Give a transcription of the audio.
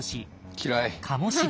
嫌い！